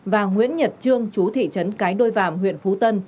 và nguyễn nhật trương chú thị trấn cái đôi vàm huyện phú tân